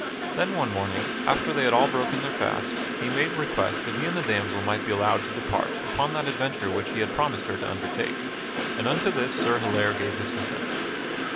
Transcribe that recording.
Then one morning, after they had all broken their fast, he made request that he and the damsel might be allowed to depart upon that adventure which he had promised her to undertake, and unto this Sir Hilaire gave his consent.